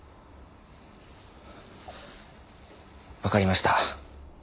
わかりました。